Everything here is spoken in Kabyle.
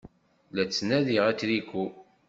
La d-ttnadiɣ atriku.